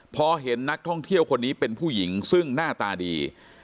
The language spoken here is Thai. พอเห็นนักท่องเที่ยวคนนี้เป็นผู้หญิงซึ่งหน้าตาดี